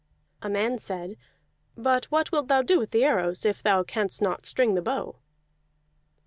A man said: "But what wilt thou do with the arrows if thou canst not string the bow?"